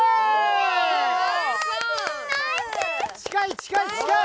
近い近い！